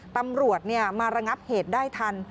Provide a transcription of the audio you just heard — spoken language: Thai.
ตำรวจมาระงับเหตุได้ทัน